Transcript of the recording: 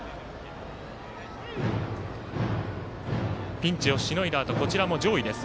ピンチをしのいだあとこちらも上位です。